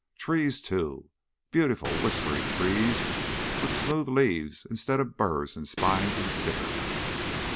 Trees, too! Beautiful whispering trees, with smooth leaves instead of burrs and spines and stickers.